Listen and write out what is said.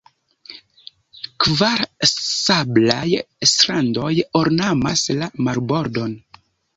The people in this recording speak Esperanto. Kvar sablaj strandoj ornamas la marbordon.